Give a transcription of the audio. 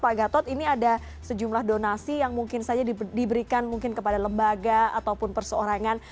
pak gatot ini ada sejumlah donasi yang mungkin saja diberikan mungkin kepada lembaga ataupun perseorangan